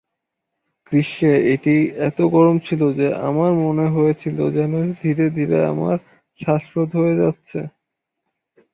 গ্রীষ্মে এটি এত গরম ছিল যে আমার মনে হয়েছিল যেন ধীরে ধীরে আমার শ্বাসরোধ হয়ে যাচ্ছে।